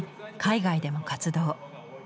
海外でも活動。